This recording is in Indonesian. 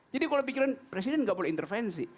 jadi kalau pikiran presiden nggak boleh intervensi